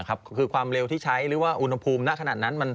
คือความเร็วที่ใช้หรือว่าอุณหภูมิณขนาดนั้น